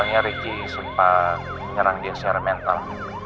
soalnya ricky sumpah menyerang dia secara mental